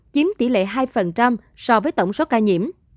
chiếm tỷ lệ hai so với tổng số ca nhiễm